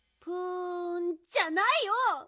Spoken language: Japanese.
プンじゃないよ！